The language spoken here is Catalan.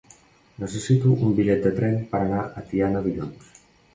Necessito un bitllet de tren per anar a Tiana dilluns.